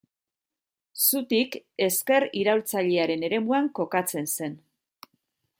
Zutik ezker iraultzailearen eremuan kokatzen zen.